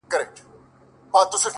o زما د زړه گلونه ساه واخلي؛